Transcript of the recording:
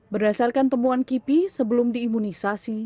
berdasarkan temuan kipi sebelum diimunisasi